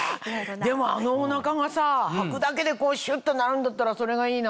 でもあのお腹がさぁはくだけでシュっとなるんだったらそれがいいな。